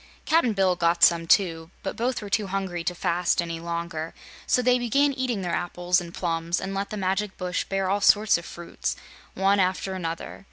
Cap'n Bill got some too, but both were too hungry to fast any longer, so they began eating their apples and plums and let the magic bush bear all sorts of fruits, one after another.